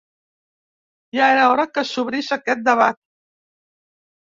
Ja era hora que s’obrís aquest debat